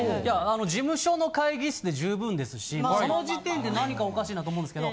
事務所の会議室で十分ですしその時点で何かおかしいなと思うんですけど。